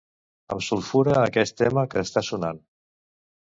Em sulfura aquest tema que està sonant.